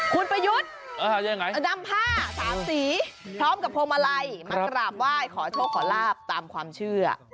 คุณประยุทธ์นำผ้าสามสีพร้อมกับพวงมาลัยมากราบไหว้ขอโชคขอลาบตามความเชื่อ